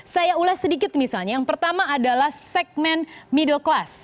saya ulas sedikit misalnya yang pertama adalah segmen middle class